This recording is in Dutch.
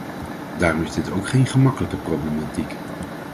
Daarom is dit ook geen gemakkelijke problematiek.